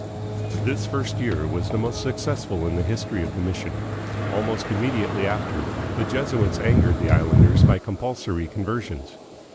This first year was the most successful in the history of the mission. Almost immediately after, the Jesuits angered the islanders by compulsory conversions.